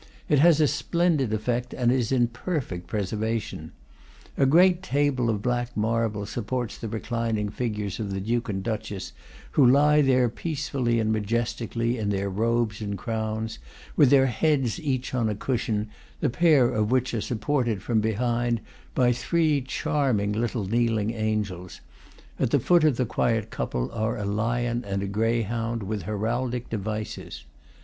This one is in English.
It has a splendid effect, and is in perfect preservation. A great table of black marble supports the reclining figures of the duke and duchess, who lie there peacefully and majestically, in their robes and crowns, with their heads each on a cushion, the pair of which are supported, from behind, by three, charming little kneeling angels; at the foot of the quiet couple are a lion and a greyhound, with heraldic devices.